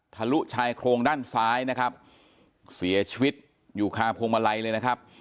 ลุชายโครงด้านซ้ายนะครับเสียชีวิตอยู่คาพวงมาลัยเลยนะครับ